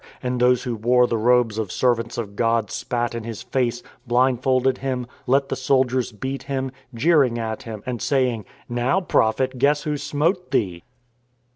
They called Him " Liar," and those who wore the robes of servants of God spat in His face, blindfolded Him, let the soldiers beat Him, jeering at Him, and saying :" Now, Prophet, guess who smote Thee?